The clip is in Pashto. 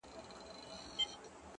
• درې څلور ځله یې لیري کړ له کلي ,